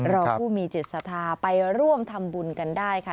ผู้มีจิตศรัทธาไปร่วมทำบุญกันได้ค่ะ